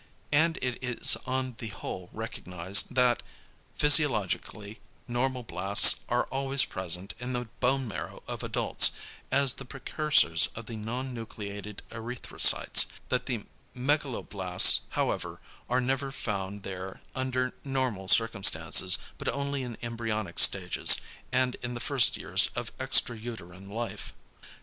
And it is on the whole recognised, that, physiologically, normoblasts are always present in the bone marrow of adults, as the precursors of the non nucleated erythrocytes; that the megaloblasts, however, are never found there under normal circumstances, but only in embryonic stages, and in the first years of extra uterine life.